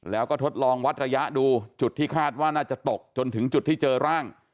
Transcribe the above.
แล้วก็ทดลองวัดระยะดูจุดที่คาดว่าน่าจะตกจนถึงจุดที่เจอร่าง